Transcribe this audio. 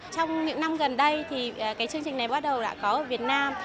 trong những năm gần đây chương trình này bắt đầu đã có ở việt nam